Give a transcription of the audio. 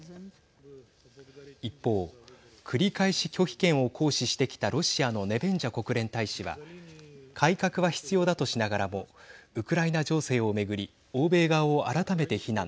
一方繰り返し拒否権を行使してきたロシアのネベンジャ国連大使は改革は必要だとしながらもウクライナ情勢を巡り欧米側を改めて非難。